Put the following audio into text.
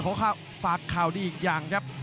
ฝากข่าวดีอีกอย่างครับ